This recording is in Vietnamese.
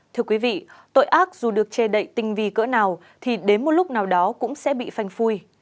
thưa quý vị tội ác dù được chê đậy tình vì cỡ nào thì đến một lúc nào đó cũng sẽ bị phanh phui